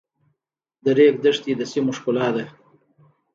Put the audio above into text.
د ریګ دښتې د سیمو ښکلا ده.